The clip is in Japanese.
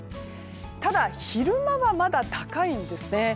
ただ、昼間はまだ高いんですね。